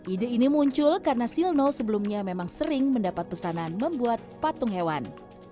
ide ini muncul karena silno sebelumnya memang sering mendapat pesanan membuat patung hewan